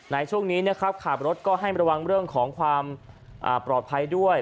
ในช่วงนี้นะครับขับรถก็ให้ระวังเรื่องของความปลอดภัยด้วย